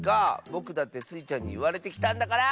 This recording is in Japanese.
ぼくだってスイちゃんにいわれてきたんだから！